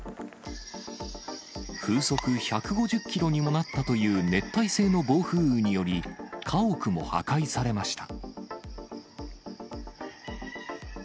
風速１５０キロにもなったという熱帯性の暴風雨により、家屋も破壊されました。